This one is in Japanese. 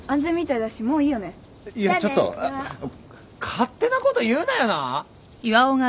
勝手なこと言うなよな！